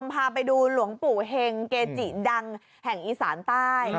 พาไปดูหลวงปู่เฮงเกจิดังแห่งอีสานใต้